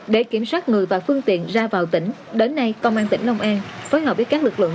để kiểm soát người và phương tiện ra vào tỉnh đến nay công an tỉnh long an phối hợp với các lực lượng